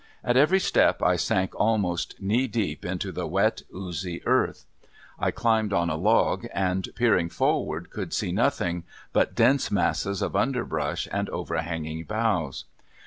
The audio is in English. At every step I sank almost knee deep into the wet, oozy earth. I climbed on a log and peering forward could see nothing but dense masses of underbrush and overhanging boughs.